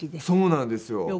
そうなんですよ。